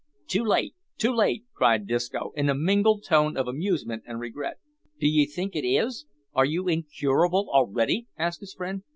"Too late! too late!" cried Disco, in a mingled tone of amusement and regret. "D'ye think it is? Are you incurable already?" asked his friend.